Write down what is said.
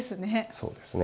そうですね。